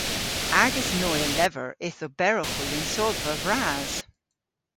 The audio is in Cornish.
Agas noy a lever yth oberowgh hwi yn sodhva vras.